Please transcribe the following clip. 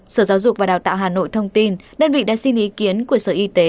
sở giáo dục và đào tạo hà nội thông tin đơn vị đã xin ý kiến của sở y tế